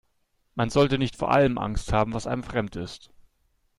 Man sollte nicht vor allem Angst haben, was einem fremd ist.